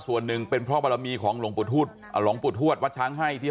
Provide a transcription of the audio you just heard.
ส่วนหนึ่งเป็นพระบรมีของหลงปุฏฮวดหลงปุฏฮวดวัดช้างให้ที่